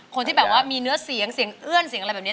คนที่แบบว่ามีเนื้อเสียงเสียงเอื้อนเสียงอะไรแบบนี้